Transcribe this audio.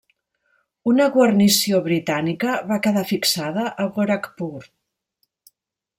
Una guarnició britànica va quedar fixada a Gorakhpur.